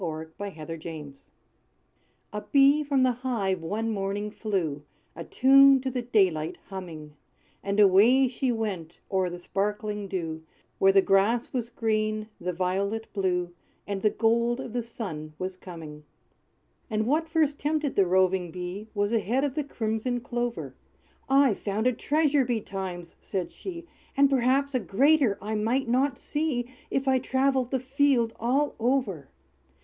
=The Bee, Clover, and Thistle= A bee from the hive one morning flew, A tune to the daylight humming; And away she went o'er the sparkling dew, Where the grass was green, the violet blue, And the gold of the sun was coming. And what first tempted the roving Bee, Was a head of the crimson clover. "I've found a treasure betimes!" said she, "And perhaps a greater I might not see, If I travelled the field all over.